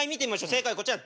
正解はこちら。